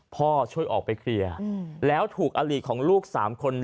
พ่อช่วยออกไปเคลียร์แล้วถูกอลีกของลูก๓คน